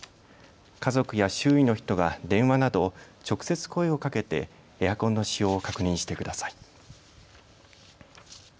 家族や周囲の人が電話など直接、声をかけてエアコンの使用を確認してください。